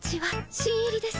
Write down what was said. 新入りです。